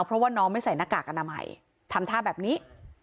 เพราะว่าน้องไม่ใส่หน้ากากอนามัยทำท่าแบบนี้